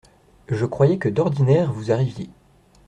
Je croyais que d’ordinaire, vous arriviez.